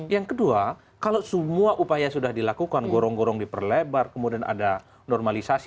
yang kedua kalau semua upaya sudah dilakukan gorong gorong diperlebar kemudian ada normalisasi